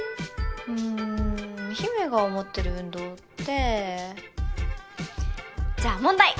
うん陽芽が思ってる運動ってじゃあ問題！